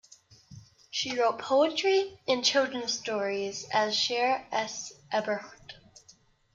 She wrote poetry and children's stories as Sheri S. Eberhart.